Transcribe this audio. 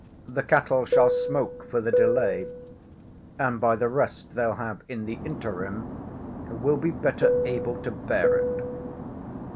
The cattle shall smoke for the delay; and by the rest they'll have in the interim, will be better able to bear it.